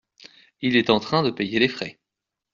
Il est en train de payer les frais ?